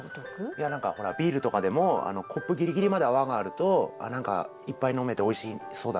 いや何かほらビールとかでもコップギリギリまで泡があると何かいっぱい飲めておいしそうだなみたいな何か。